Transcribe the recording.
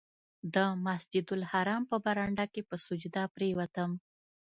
د مسجدالحرام په برنډه کې په سجده پرېوتم.